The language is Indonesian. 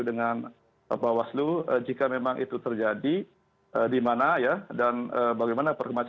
dan pak waslu jika memang itu terjadi di mana ya dan bagaimana perkembangan